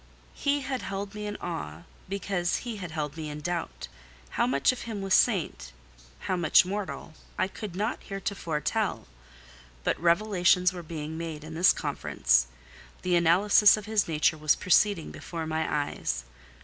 He had held me in awe, because he had held me in doubt. How much of him was saint, how much mortal, I could not heretofore tell: but revelations were being made in this conference: the analysis of his nature was proceeding before my eyes.